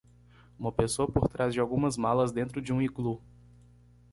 Uma pessoa por trás de algumas malas dentro de um iglu.